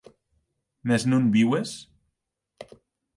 Mès non viues?